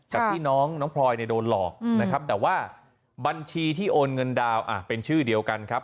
แต่ที่น้องพลอยโดนหลอกนะครับแต่ว่าบัญชีที่โอนเงินดาวเป็นชื่อเดียวกันครับ